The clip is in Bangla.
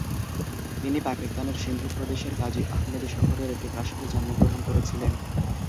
তিনি পাকিস্তানের সিন্ধু প্রদেশের কাজি আহমেদ শহরের একটি প্রাসাদে জন্মগ্রহণ করেছিলেন।